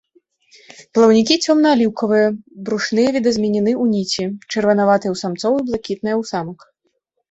Плаўнікі цёмна-аліўкавыя, брушныя відазменены ў ніці, чырванаватыя ў самцоў і блакітныя ў самак.